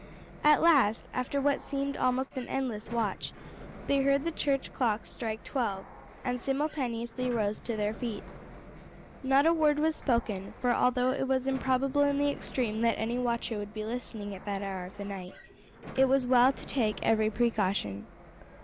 At last, after what seemed almost an endless watch, they heard the church clocks strike twelve, and simultaneously rose to their feet. Not a word was spoken, for although it was improbable in the extreme that any watcher would be listening at that hour of the night, it was well to take every precaution.